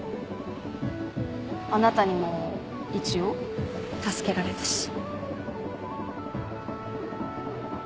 あなたにも一応助けられたし。